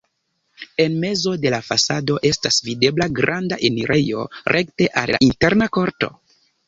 En mezo de la fasado estas videbla granda enirejo rekte al la interna korto.